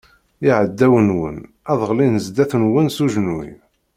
Iɛdawen-nwen ad ɣellin zdat-nwen s ujenwi.